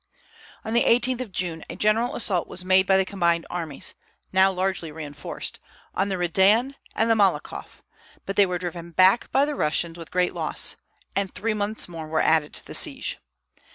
On the 18th of June a general assault was made by the combined armies now largely reinforced on the Redan and the Malakoff, but they were driven back by the Russians with great loss; and three months more were added to the siege.